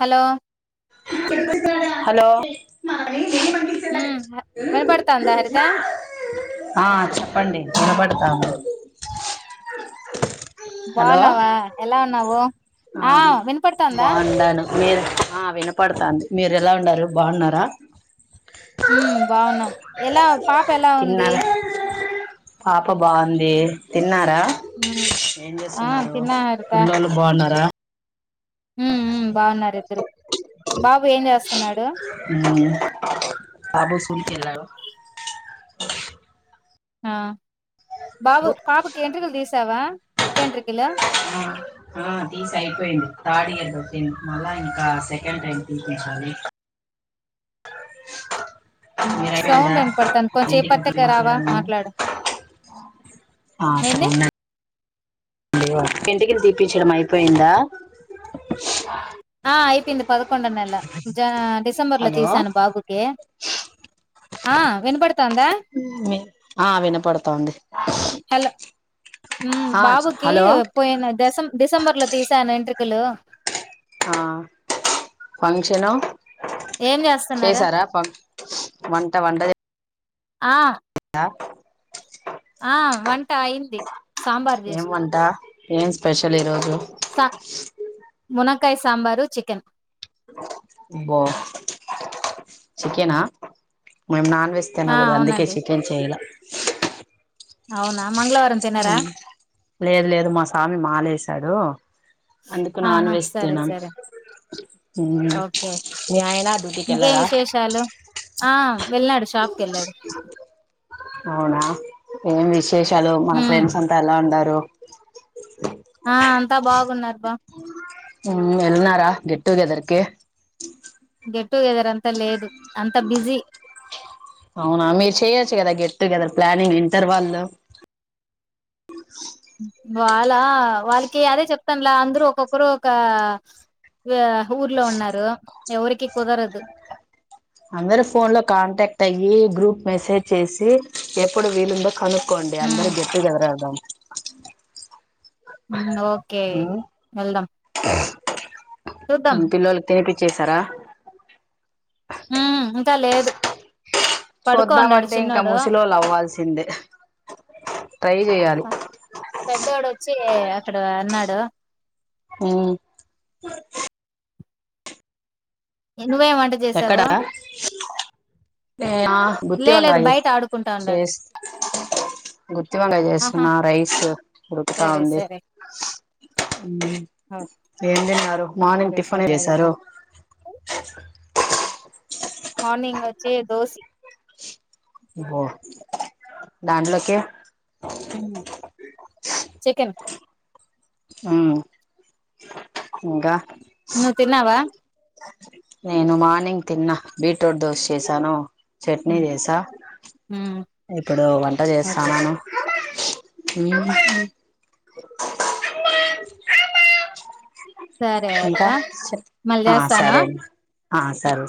Hello hello ఉమ్ వినపడుతాందా హరిత ఆ చెప్పండి వినబడు అ బాగున్నావ ఎలా ఉన్నావు ఆ వినపడుతందా బాగుండాను మీరు ఆ వినపడతంది మీరు ఎలా ఉండరు బాగున్నర హ్మ్ బాగున్నాం ఎలా పాప ఎలా ఉంది తిన్నారా పాప బంధి తిన్నార హ్మ్ ఏం చేస్తున్నారు పిళ్ళోళ్ళు బావున్నారా మ్ మ్ బావున్నారు ఇద్దరు బాబు ఏం చేస్తున్నాడు మ్మ్ బాబు స్కూల్ కెల్లాడు ఆ బాబు పాపుకి ఎంట్రుకలు తీసావా పుట్టెంట్రికలు ఆ ఆ తీసి అయిపోయింది థర్డ్ ఇయర్ పుట్టింది మళ్ళా ఇంకా సెకండ్ టైం తీపించాలి మీరు సౌండ్ అయిపోయిందా వినపడతంది కొంచెం ఈ ఇంటికి పక్కకి రావా తీపించడము మాట్లాడు ఏంది లేవా ఎంటికలు తీపిచ్చడం అయిపోయిందా ఆ అయిపోయింది పదకొండో నెల జ డిసెంబర్లో హలో తీసాను బాబుకి ఆ వినపడుతందా ఆ వినపడుతోంది హలో ఆ బాబుకి హలో పోయిన ది సం డిసెంబర్ లో తీసాను ఎంట్రుక కలు ఆ ఫంక్షను ఏం జేస్తున్నారు? చేసారా ప వంట వంట చే ఆ ఆ వంట అయింది సాంబార్ ఏం జేసినా. వంట ఏం స్పెషల్ ఈరోజు సా మునక్కాయ సాంబారు చికెన్ [unintelligible] బా చికెనా మేము నాన్ వెజ్ ఆ! తినకూడదు అందుకే అవునండి. చికెన్ చేయ్ లా అవునా మంగళవారం తినరా? లేదు లేదు మా సామి మాలేశాడు అందుకు నాన్ ఆహా! వెజ్ సరే, తినం సరే. ఓకే. మీ ఆయిన ఇంకేం డ్యూటీకెళ్ళారా విశేషాలు? ఆ వెళ్ళాడు షాప్కెళ్ళాడు అవునా ఏమి ష్ శేషాలు మన హ్మ్. ఫ్రెండ్స్ అంతా ఎలా ఉండా [unintelligible] టో ఆ తా బాగున్నారు బా ఉమ్ ఎల్నారా గెట్ టు గెదర్ కి గెట్ టు గెదర్ అంతా లేదు అంతా బిజీ అవునా మీరు చెయొచ్చు కదా గెట్ టుగెదర్ ప్లానింగ్ ఇంటర్ వాళ వాళ్ళ వాళ్ళకి అదే చెప్తానులా అందరుూ ఒక్కొక్కరు ఒక ఊర్లో ఉన్నారు ఎవరికి కుదరదు అందరు ఫోన్ లో కాంటాక్ట్ అయ్యి గ్రూప్ మెసేజ్ చేసి ఎప్పుడు వీలుందో కనుక్ కోండి అందరూ హ్మ్ గెట్ టుగెదర్ అవుదాం ఒకే వెల్దం పిల్లల్ తోటి చేసార హ్మ్ ఇంక లేదు పడుకోనాడు చూద్దామంటే ఇంకా చిన్నోడు ముసిలోళ్ళు అవ్వాల్సిందే ట్రై చేయాలి పెద్దోడు వచ్చి అక్కడ వున్నాడు కదా ఊ నువ్వ ఏ వంట చేసావు ఆ గుత్తి లే లేదు వంకాయి బయట ఆడుకుంటా అన్నాడు చేసి గుత్తి వంకాయ ఆహా చేస్తున్నా రైస్ ఉడుకుతా సరే ఉంది సరే ఆ ఏం తిన్నారు మార్నింగ్ సరే టిఫిన్ సరే అడుగుతా చేసారు మార్నింగ్ వచ్చి దోశీ ఓ దాండ్లోకే ఊ చికెన్ ఊ ఇంకా నువ్వు తిన్నావా నేను మార్నింగ్ తిన్నా బీట్రూట్ దోశ చేసాను చట్నీ హ్మ్ చేసా హ్మ్. ఇప్పుడు వంట ఓకే చేస్తాన్నాను హ అమ్మ హ్మ్. సరే అత్త ఇంకా చె మళ్ళీ ఆ చేస్తాను సరే ఆ సరే